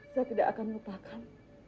saya tidak akan lupakan